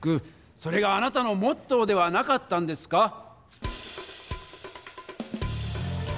それがあなたのモットーではなかったんですか？